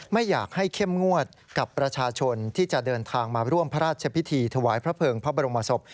ไม่อยากให้เข้มงวดกับประชาชนที่จะเดินทางมาร่วมพระราชพิธีถวายพระเภิงพระบรมศพ